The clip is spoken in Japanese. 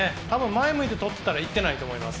前向いてとっていたらいってないと思います。